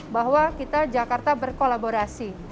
bahwa kita jakarta berkolaborasi